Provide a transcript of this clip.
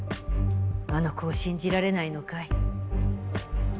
あの子を信じられないのかい？